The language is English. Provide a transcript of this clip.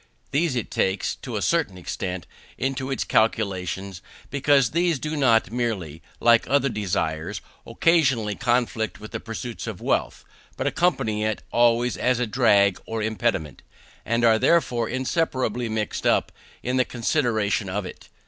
These it takes, to a certain extent, into its calculations, because these do not merely, like other desires, occasionally conflict with the pursuit of wealth, but accompany it always as a drag, or impediment, and are therefore inseparably mixed up in the consideration of it.